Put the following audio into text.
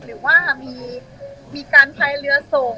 หรือว่ามีการทยาลงเรือทรง